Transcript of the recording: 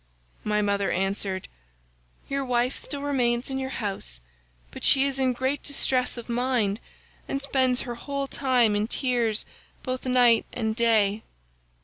"My mother answered, 'Your wife still remains in your house, but she is in great distress of mind and spends her whole time in tears both night and day.